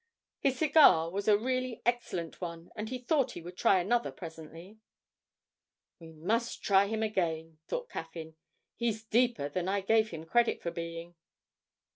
His cigar was a really excellent one, and he thought he would try another presently. ('We must try him again,' thought Caffyn; 'he's deeper than I gave him credit for being.')